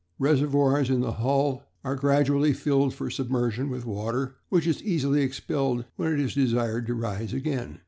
Reservoirs in the hull are gradually filled for submersion with water, which is easily expelled when it is desired to rise again.